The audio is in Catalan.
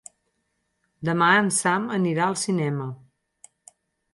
Demà en Sam anirà al cinema.